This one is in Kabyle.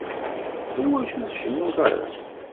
Iwacu ur tcennuḍ ara?